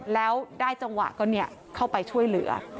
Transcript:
แล้วได้จังหวะก็เข้าไปช่วยเหลือ